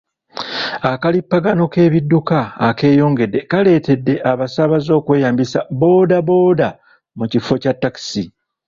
Akalippagano k'ebidduka akeyongedde kaleetedde abasaabaze okweyambisa boodabooda mu kifo kya takisi.